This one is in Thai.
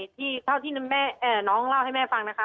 เท่าที่น้องเล่าให้แม่ฟังนะคะ